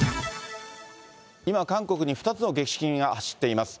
今、韓国に２つの激震が走っています。